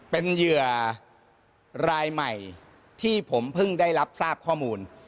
เป็นเหยื่อรายใหม่ที่ผมเพิ่งได้รับทราบข้อมูล